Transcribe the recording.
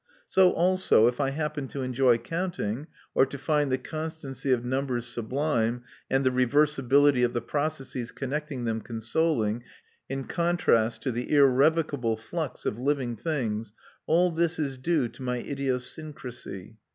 So also, if I happen to enjoy counting, or to find the constancy of numbers sublime, and the reversibility of the processes connecting them consoling, in contrast to the irrevocable flux of living things, all this is due to my idiosyncrasy.